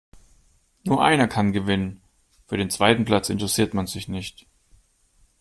Nur einer kann gewinnen. Für den zweiten Platz interessiert man sich nicht.